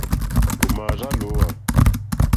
Ò mà àrzá lǒhwà.